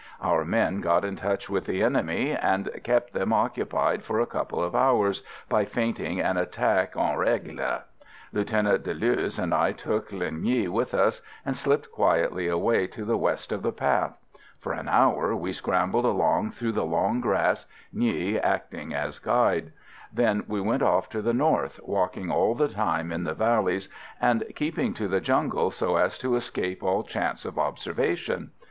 Our men got in touch with the enemy, and kept them occupied for a couple of hours by feinting an attack en règle. Lieutenant Deleuze and I took Linh Nghi with us, and slipped quietly away to the west of the path. For an hour we scrambled along through the long grass, Nghi acting as guide. Then we went off to the north, walking all the time in the valleys, and keeping to the jungle so as to escape all chance of observation.